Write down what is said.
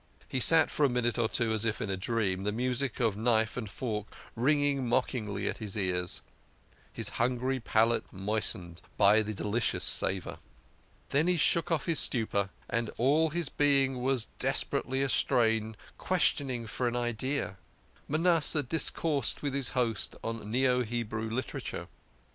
He sat for a minute or two as in a dream, the music of knife and fork ringing mockingly in his ears, his hungry palate moistened by the delicious savour. Then he shook off his stupor, and all his being was desperately astrain, questing for an idea. Manasseh discoursed with his host on neo Hebrew literature.